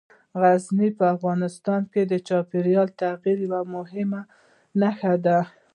غزني په افغانستان کې د چاپېریال د تغیر یوه مهمه نښه ده.